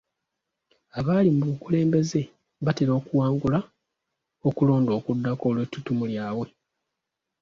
Abali mu bukulembeze batera okuwangula okulonda okuddako olw'etuttumu lyabwe.